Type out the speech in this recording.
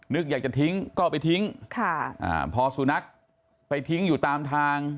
อยากจะทิ้งก็เอาไปทิ้งค่ะอ่าพอสุนัขไปทิ้งอยู่ตามทาง